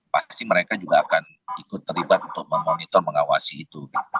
pasti mereka juga akan ikut terlibat untuk memonitor mengawasi itu